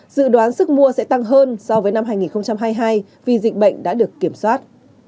dự đoán sức mua sẽ tăng hơn so với năm hai nghìn hai mươi hai vì dịch bệnh đã được kiểm soát